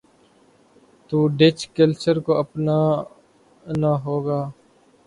تو Dutch culture کو اپنا نا ہو گا۔